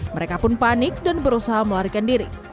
mereka pun panik dan berusaha melarikan diri